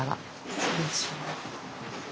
失礼します。